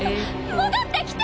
戻ってきて！